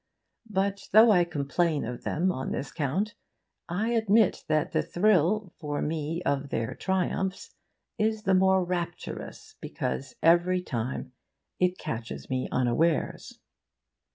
But, though I complain of them on this count, I admit that the thrill for me of their triumphs is the more rapturous because every time it catches me unawares.